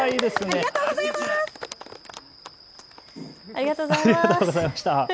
ありがとうございます。